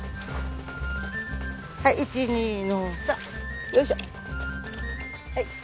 はい１２の３。よいしょ。